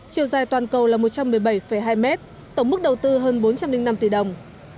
chiều dài toàn cầu là một trăm một mươi bảy hai mét tổng mức đầu tư hơn bốn trăm linh năm tỷ đồng